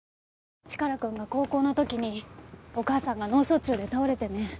チカラくんが高校の時にお母さんが脳卒中で倒れてね。